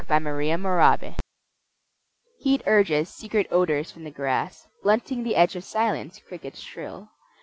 Y Z In August HEAT urges secret odors from the grass. Blunting the edge of silence, crickets shrill.